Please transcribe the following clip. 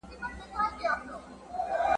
د هرې ټولنې دودونه توپیر لري.